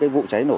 vụ cháy nổ